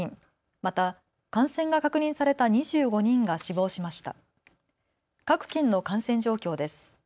また感染が確認された２５人が死亡しました。